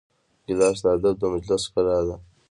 ګیلاس د ادب د مجلس ښکلا ده.